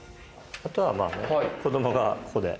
あとは子どもがここで。